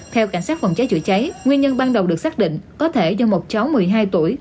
theo cảnh sát phòng cháy chữa cháy nguyên nhân ban đầu được xác định có thể do một cháu một mươi hai tuổi